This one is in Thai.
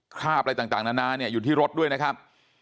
คราบอะไรต่างนานาอยู่ที่รถด้วยนะครับ